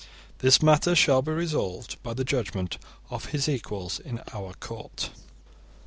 This matter shall be resolved by the judgement of his equals in our court.